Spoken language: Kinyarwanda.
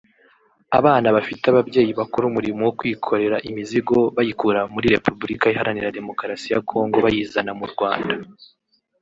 Abana bafite ababyeyi bakora umurimo wo kwikorera imizigo bayikura muri Repubulika Iharanira Demokarasi ya Congo bayizana mu Rwanda